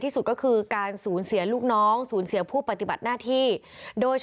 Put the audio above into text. ท่านก็บอก